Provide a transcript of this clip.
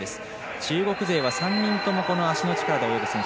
中国勢は３人ともこの足の力で泳ぐ選手。